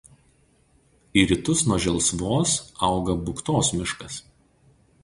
Į rytus nuo Želsvos auga Buktos miškas.